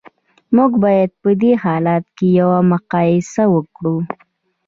موږ باید په دې حالت کې یوه مقایسه وکړو